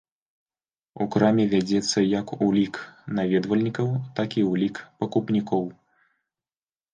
У краме вядзецца як ўлік наведвальнікаў, так і ўлік пакупнікоў.